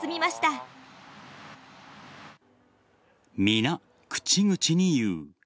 皆、口々に言う。